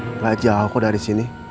tidak jauhku dari sini